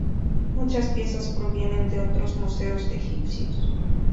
Muchas piezas provienen de otros museos egipcios.